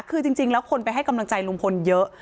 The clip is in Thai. คือจริงแล้วคนไปให้กำลังใจลุงพลเยอะ